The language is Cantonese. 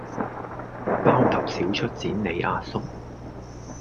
包揼少出剪你阿叔